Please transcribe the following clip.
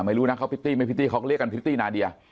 ไม่รู้นะเขาพิตตี้ไม่พิตตี้เขาเรียกกันพริตตี้นาเดีย